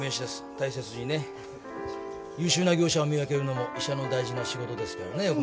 大切に優秀な業者を見分けるのも医者の大事な仕事ですね